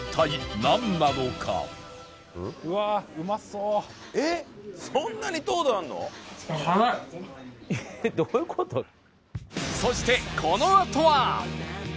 そしてこのあとは